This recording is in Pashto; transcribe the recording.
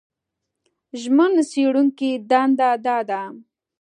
ژمن څېړونکي دنده دا ده